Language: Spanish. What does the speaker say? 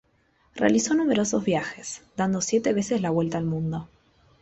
Realizó numerosos viajes, dando siete veces la vuelta al mundo.